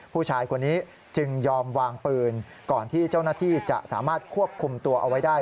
ผู้ชายคนนี้จึงยอมวางปืนก่อนที่เจ้าหน้าที่จะสามารถควบคุมตัวเอาไว้ได้